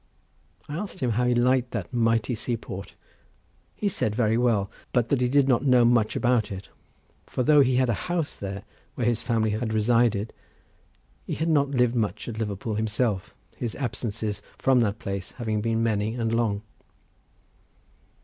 I asked him how he liked that mighty seaport; he said very well, but that he did not know much about it—for though he had a house there where his family had resided, he had not lived much at Liverpool himself his absences from that place having been many and long.